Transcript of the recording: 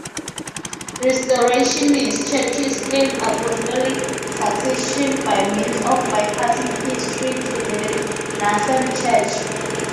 Restorationist Churches claim apostolic succession by means of bypassing history to the nascent Church.